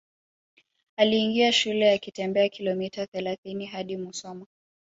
Aliingia shule akitembea kilomita thelathini hadi Musoma